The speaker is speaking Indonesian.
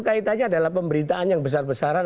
kaitannya adalah pemberitaan yang besar besaran